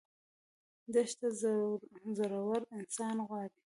دښته زړور انسان غواړي.